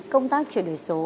công tác chuyển đổi số